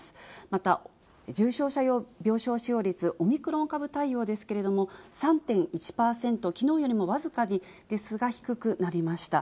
また、重症者用病床使用率オミクロン株対応ですけれども、３．１％、きのうよりも僅かですが、低くなりました。